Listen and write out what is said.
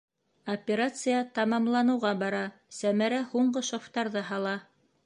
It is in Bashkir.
Операция тамамланыуға бара, Сәмәрә һуңғы шовтарҙы һала.